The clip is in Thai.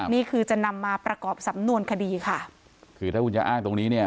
นี่คือจะนำมาประกอบสำนวนคดีค่ะคือถ้าคุณจะอ้างตรงนี้เนี่ย